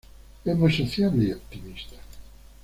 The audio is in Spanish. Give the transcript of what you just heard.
Es muy sociable y optimista.